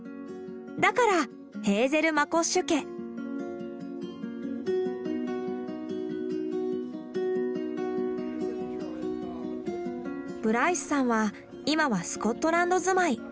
だからブライスさんは今はスコットランド住まい。